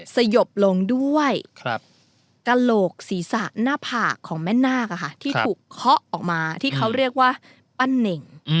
สยบลงด้วยกระโหลกศีรษะหน้าผากของแม่นาคที่ถูกเคาะออกมาที่เขาเรียกว่าปั้นเน่ง